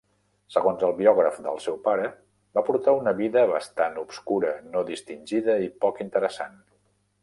Segons el biògraf del seu pare, va portar una vida bastant "obscura, no distingida i poc interessant".